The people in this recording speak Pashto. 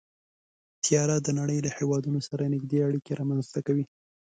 طیاره د نړۍ له هېوادونو سره نږدې اړیکې رامنځته کوي.